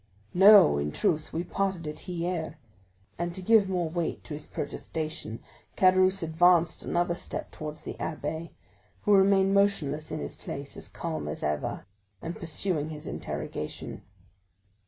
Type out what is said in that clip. "No, in truth; we parted at Hyères." And, to give more weight to his protestation, Caderousse advanced another step towards the abbé, who remained motionless in his place, as calm as ever, and pursuing his interrogation.